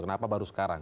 kenapa baru sekarang